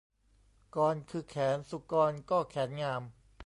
กรคือแขน สุกรก็แขนงาม